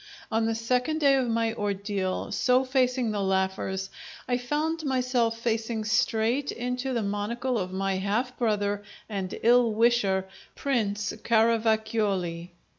On the second day of my ordeal, so facing the laughers, I found myself facing straight into the monocle of my half brother and ill wisher, Prince Caravacioli.